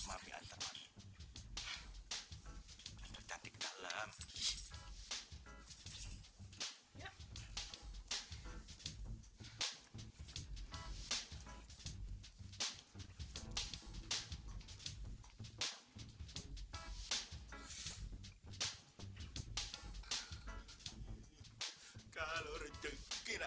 masih ada yang mereka pengen mau kunjungi